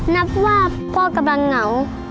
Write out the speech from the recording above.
นับว่าพ่อกำลังเหงา